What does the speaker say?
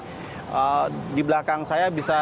jadi di belakang saya bisa